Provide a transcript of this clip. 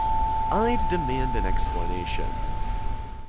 I'd demand an explanation.